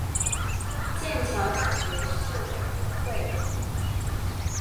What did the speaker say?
剑桥大学考试委员会